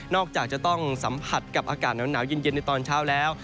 จากจะต้องสัมผัสกับอากาศหนาวเย็นในตอนเช้าแล้ว